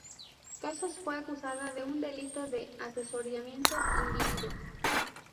Casas fue acusada de un delito de asesoramiento indebido.